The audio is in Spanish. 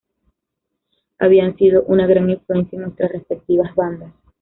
Habían sido una gran influencia en nuestras respectivas bandas.